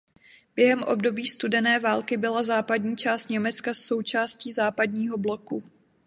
Během období studené války byla západní část Německa součástí západního bloku.